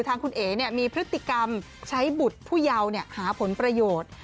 ทางคุณเอ๋มีพฤติกรรมใช้บุตรผู้เยาหาผลประโยชน์